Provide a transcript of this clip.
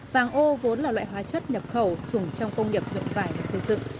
vàng ô vốn là loại hóa chất nhập khẩu dùng trong công nghiệp lượng vải để xây dựng